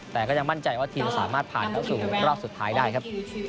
แต่ก็ยังมั่นใจว่าทีมจะสามารถผ่านเข้าสู่รอบสุดท้ายได้ครับ